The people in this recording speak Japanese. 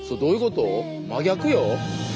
真逆よ。